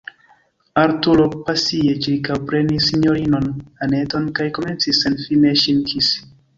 Arturo pasie ĉirkaŭprenis sinjorinon Anneton kaj komencis senfine ŝin kisi.